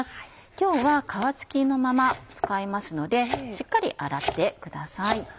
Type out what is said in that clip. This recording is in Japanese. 今日は皮付きのまま使いますのでしっかり洗ってください。